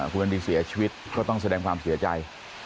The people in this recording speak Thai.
คุณวันดีเสียชีวิตก็ต้องแสดงความเสียใจ